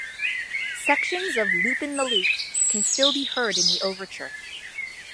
Sections of "Loopin' the Loop" can still be heard in the Overture.